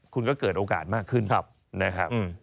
คุณก็เกิดโอกาสมากขึ้นนะครับ